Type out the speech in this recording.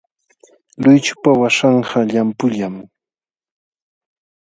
Luychupa waśhanqa llampullam.